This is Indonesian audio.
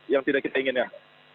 yang tidak kita inginkan